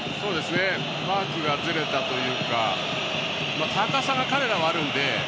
マークがずれたというか高さが彼らもあるので。